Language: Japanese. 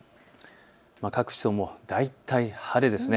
各地とも大体、晴れです。